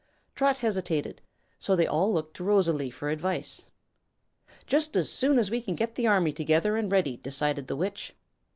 Trot hesitated, so they all looked to Rosalie for advice. "Just as soon as we can get the army together and ready," decided the Witch.